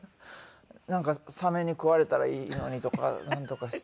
なんかサメに食われたらいいのにとかなんとかして。